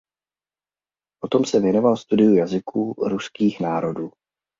Potom se věnoval studiu jazyků ruských národů.